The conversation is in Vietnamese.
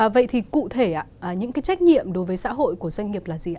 vậy thì cụ thể những cái trách nhiệm đối với xã hội của doanh nghiệp là gì ạ